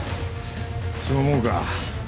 そう思うか？